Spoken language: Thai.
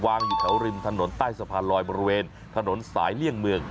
อยู่แถวริมถนนใต้สะพานลอยบริเวณถนนสายเลี่ยงเมือง